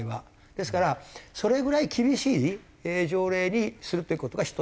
ですからそれぐらい厳しい条例にするっていう事が１つと。